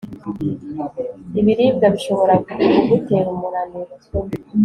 ibiribwa bishobora kugutera umunaniro